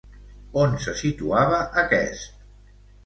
On se situava aquest?